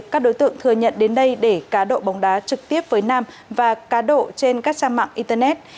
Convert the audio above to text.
các đối tượng thừa nhận đến đây để cá độ bóng đá trực tiếp với nam và cá độ trên các trang mạng internet